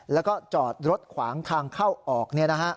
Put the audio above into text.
แล้วก็จอดรถขวางทางเข้าออก